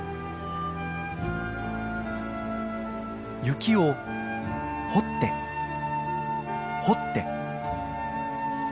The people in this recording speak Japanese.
雪を掘って掘って。